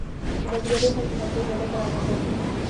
بزګري هم په همدې موده کې رامنځته شوه.